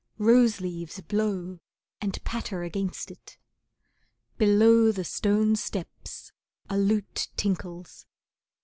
Rose leaves blow and patter against it. Below the stone steps a lute tinkles.